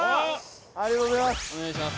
ありがとうございます。